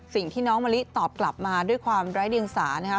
สิ่งที่น้องมะลิตอบกลับมาด้วยความไร้เดียงสานะคะ